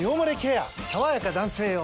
さわやか男性用」